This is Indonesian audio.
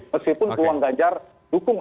meskipun uang ganjar dukung